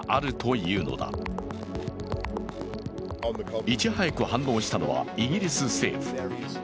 いち早く反応したのはイギリス政府。